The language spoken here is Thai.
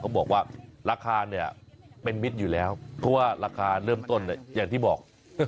บอกว่าราคาเนี่ยเป็นมิตรอยู่แล้วเพราะว่าราคาเริ่มต้นเนี่ยอย่างที่บอก